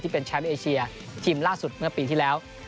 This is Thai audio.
เป็นแชมป์เอเชียทีมล่าสุดเมื่อปีที่แล้ว